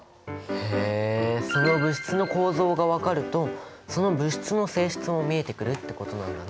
へえその物質の構造が分かるとその物質の性質も見えてくるってことなんだね。